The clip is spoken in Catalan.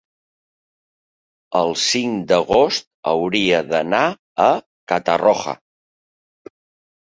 El cinc d'agost hauria d'anar a Catarroja.